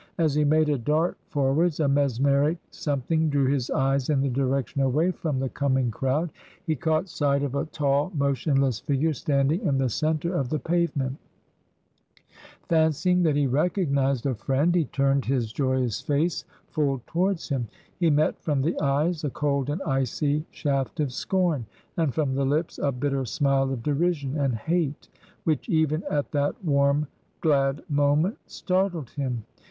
As he made a dart for wards, a mesmeric something drew his ^yt!& in the direc tion away from the coming crowd ; he caught sight of a tall, motionless figure standing in the centre of the pave ment ; fancying that he recognised a friend, he turned his TRANSITION. 22/ joyous face full towards him. He met from the eyes a cold and icy shaft of scorn, and from the lips a bitter smile of derision and hate, which even at that warm glad moment startled him.